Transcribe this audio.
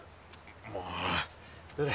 もうどれ？